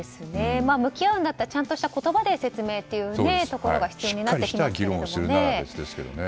向き合うんだったらちゃんとした言葉で説明が必要になってきますからね。